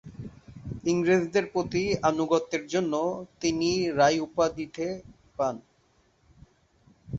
ইংরেজদের প্রতি আনুগত্যের জন্য তিনি রায় উপাধিতে পান।